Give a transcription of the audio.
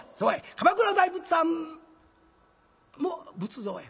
「鎌倉の大仏さんも仏像や」。